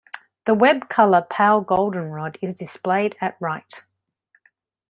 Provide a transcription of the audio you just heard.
The web color pale goldenrod is displayed at right.